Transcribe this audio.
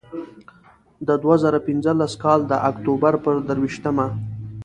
د دوه زره پینځلس کال د اکتوبر پر درویشتمه.